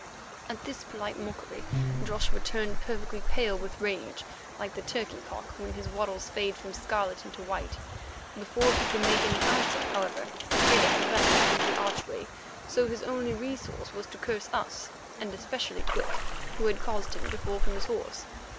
At this polite mockery Joshua turned perfectly pale with rage, like the turkey cock when his wattles fade from scarlet into white. Before he could make any answer, however, Maqueda had vanished under the archway, so his only resource was to curse us, and especially Quick, who had caused him to fall from his horse.